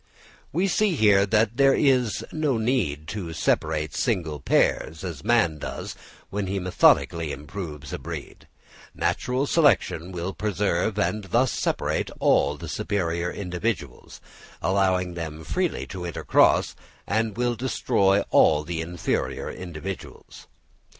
We here see that there is no need to separate single pairs, as man does, when he methodically improves a breed: natural selection will preserve and thus separate all the superior individuals, allowing them freely to intercross, and will destroy all the inferior individuals.